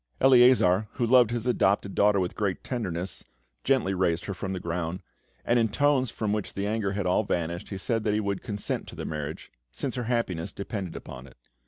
Eleazar, who loved his adopted daughter with great tenderness, gently raised her from the ground, and in tones from which the anger had all vanished, he said that he would consent to the marriage, since her happiness depended upon it.